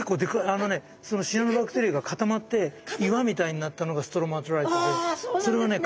あのねそのシアノバクテリアが固まって岩みたいになったのがストロマトライトでそれはね